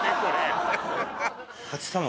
あっ！